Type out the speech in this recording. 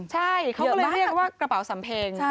ใช่เขาก็เลยเรียกว่ากระเป๋าสำเพ็ง